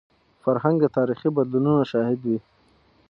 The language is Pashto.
فرهنګ د تاریخي بدلونونو شاهد وي.